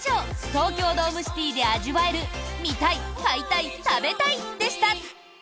東京ドームシティで味わえる「見たい買いたい食べたい」でした。